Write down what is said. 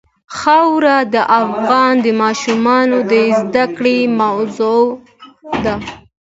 خاوره د افغان ماشومانو د زده کړې موضوع ده.